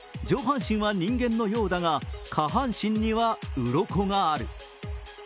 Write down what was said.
上半身は人間のようだが下半身にはうろこがある。